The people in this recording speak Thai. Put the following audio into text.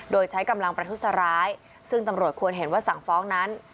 โดยใช้กำลังประทุษร้ายซึ่งตำรวจควรเห็นว่าสั่งฟ้องนั้น